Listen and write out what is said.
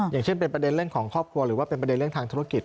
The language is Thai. อย่างเช่นเป็นประเด็นเรื่องของครอบครัวหรือว่าเป็นประเด็นเรื่องทางธุรกิจ